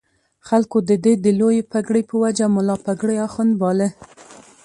خلکو د ده د لویې پګړۍ په وجه ملا پګړۍ اخُند باله.